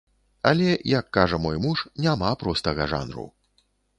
Але, як кажа мой муж, няма простага жанру.